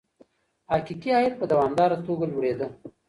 حقيقي عايد په دوامداره توګه لوړېده.